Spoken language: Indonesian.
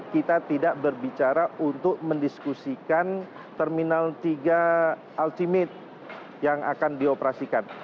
kita tidak berbicara untuk mendiskusikan terminal tiga ultimate yang akan dioperasikan